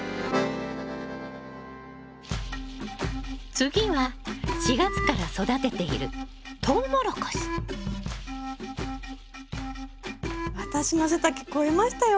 次は４月から育てている私の背丈越えましたよ。